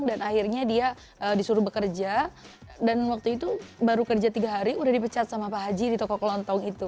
dan akhirnya dia disuruh bekerja dan waktu itu baru kerja tiga hari udah di pecat sama pak haji di toko kelontong itu